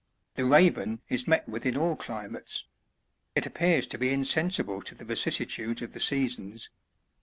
The Raven is met with in all climates ; it appears to be insensible to the vicissitudes of the seasons.